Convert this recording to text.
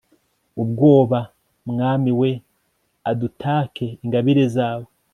ubwoba, mwami we, adutake ingabire zawe